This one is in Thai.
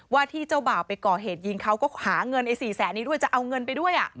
ที่เจ้าบ่าวไปก่อเหตุยิงเขาก็หาเงินไอ้๔แสนนี้ด้วยจะเอาเงินไปด้วย